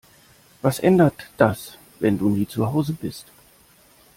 Was ändert das, wenn du nie zu Hause bist?